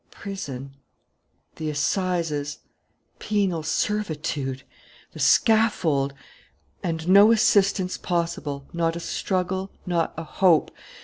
Prison! The assizes! Penal servitude! The scaffold! And no assistance possible, not a struggle, not a hope!